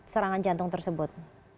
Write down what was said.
serangan jantung tersebut